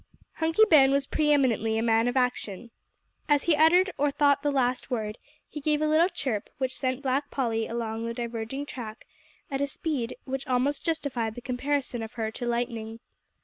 Hunky Ben was pre eminently a man of action. As he uttered or thought the last word he gave a little chirp which sent Black Polly along the diverging track at a speed which almost justified the comparison of her to lightning.